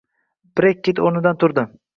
Brekket o`rnidan turdi